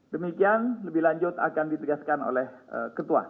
demikian lebih lanjut akan ditegaskan oleh ketua